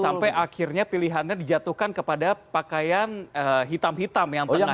sampai akhirnya pilihannya dijatuhkan kepada pakaian hitam hitam yang tengah